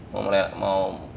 mau melerak mau